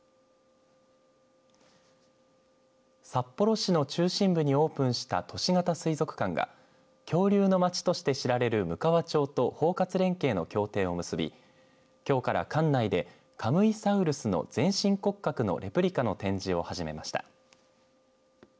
札幌市の中心部にオープンした都市型水族館が恐竜の町として知られるむかわ町と包括連携の協定を結びきょうから館内でカムイサウルスの全身骨格のレプリカの展示を始めました。